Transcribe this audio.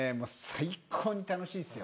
最高に楽しいですよ。